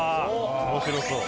面白そう。